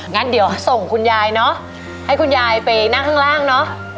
งั้นเดี๋ยวส่งคุณยายเนอะให้คุณยายไปนั่งข้างล่างเนอะ